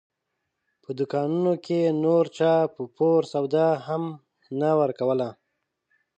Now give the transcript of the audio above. په دوکانونو کې نور چا په پور سودا هم نه ورکوله.